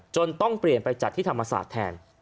ต้องเปลี่ยนไปจัดที่ธรรมศาสตร์แทน